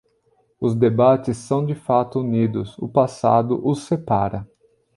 Os debates são de fato unidos; o passado os separa.